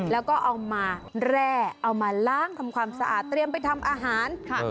แล้วก็เอามาแร่เอามาล้างทำความสะอาดเตรียมไปทำอาหารค่ะ